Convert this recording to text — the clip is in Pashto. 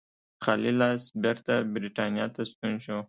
خالي لاس بېرته برېټانیا ته ستون شو.